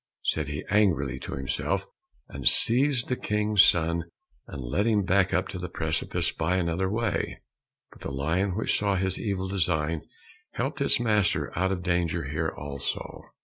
said he angrily to himself, and seized the King's son and led him back again to the precipice by another way, but the lion which saw his evil design, helped its master out of danger here also.